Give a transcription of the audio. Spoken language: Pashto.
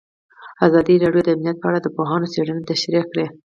ازادي راډیو د امنیت په اړه د پوهانو څېړنې تشریح کړې.